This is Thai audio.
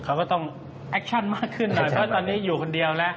เขาก็ต้องแอคชั่นมากขึ้นหน่อยเพราะตอนนี้อยู่คนเดียวแล้ว